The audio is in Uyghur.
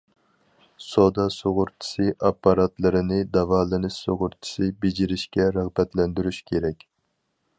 سودا سۇغۇرتىسى ئاپپاراتلىرىنى داۋالىنىش سۇغۇرتىسى بېجىرىشكە رىغبەتلەندۈرۈش كېرەك.